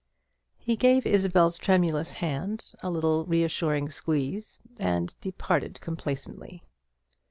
He gave Isabel's tremulous hand a little reassuring squeeze, and departed complacently.